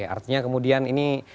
artinya kemudian ini